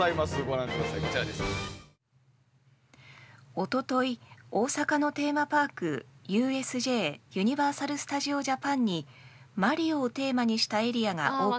「おととい大阪のテーマパークＵＳＪユニバーサルスタジオジャパンに『マリオ』をテーマにしたエリアがオープンしました」。